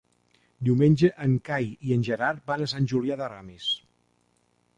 Diumenge en Cai i en Gerard van a Sant Julià de Ramis.